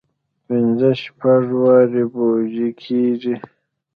پنځه شپږ وارې پوجي کېږي.